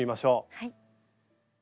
はい。